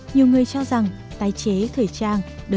nhiều người cho rằng tài chế quần áo này là một sản phẩm đáng đáng đáng đáng